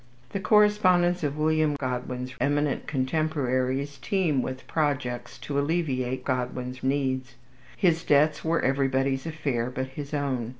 The correspondence of William Godwin's eminent contemporaries teem with projects to alleviate Godwin's needs. His debts were everybody's affair but his own.